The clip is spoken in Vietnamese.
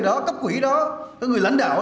đó các quỷ đó các người lãnh đạo